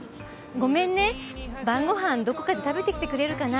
ごめんね晩ご飯どこかで食べてきてくれるかな？